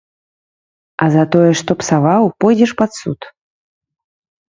А за тое, што псаваў, пойдзеш пад суд.